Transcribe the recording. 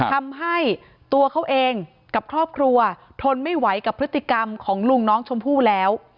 ทำให้ตัวเขาเองกับครอบครัวทนไม่ไหวกับพฤติกรรมของลุงน้องชมพู่แล้ว